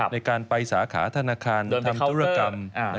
ในการไปสาขาธนาคารทำธุรกรรม